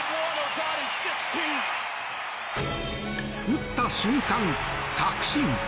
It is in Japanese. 打った瞬間、確信。